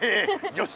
よし！